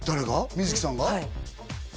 観月さんが？